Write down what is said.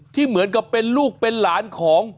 เหมือนกับเป็นลูกเป็นหลานของ